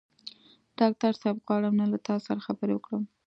ډاکټر صاحب غواړم نن له تاسو سره خبرې وکړم.